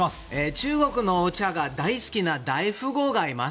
中国のお茶が大好きな大富豪がいます。